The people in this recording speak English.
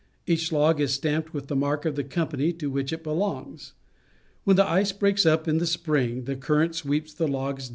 Each log is stamped with the mark of the company to which it belongs. When the ice breaks up m the spring, the current sweeps the logs dow^lstream.